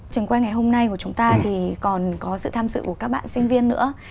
trường quay ngày hôm nay của chúng ta thì còn có sự tham dự của các bạn sinh viên nữa